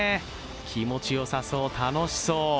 気持ちよさそう、楽しそう。